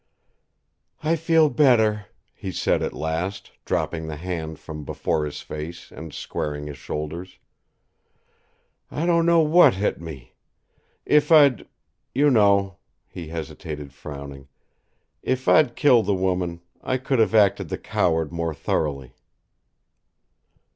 "I feel better," he said at last, dropping the hand from before his face and squaring his shoulders. "I don't know what hit me. If I'd you know," he hesitated, frowning, "if I'd killed the woman, I couldn't have acted the coward more thoroughly."